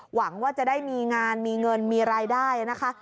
หวังว่าจะได้มีงานมีเงินมีรายได้นะคะ